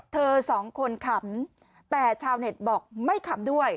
สองคนขำแต่ชาวเน็ตบอกไม่ขำด้วย